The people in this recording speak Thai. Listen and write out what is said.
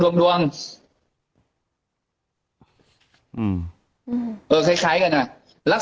แต่หนูจะเอากับน้องเขามาแต่ว่า